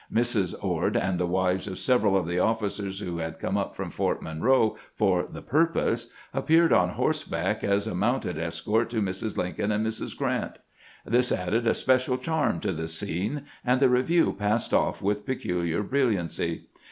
Mrs. Ord, and the wives of several of the offi cers who had come up from Fort Monroe for the pur pose, appeared on horseback as a mounted escort to Mrs. Lincoln and Mrs. Grant. This added a special charm to the scene, and the review passed off with peculiar brilliancy.